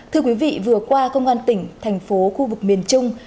thưa quý vị vừa qua công an tỉnh thành phố khu vực miền trung